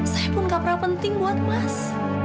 saya pun gak pernah penting buat mas